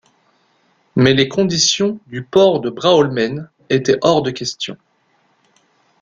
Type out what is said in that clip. Mais les conditions du port de Bråholmen étaient hors de question.